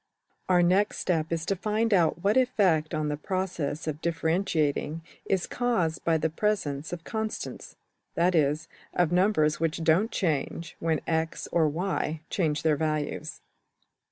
\Pagelabel{diffrule2}% Our next step is to find out what effect on the process of differentiating is caused by the presence of \emph{constants}, that is, of numbers which don't change when $x$~or~$y$ change their values.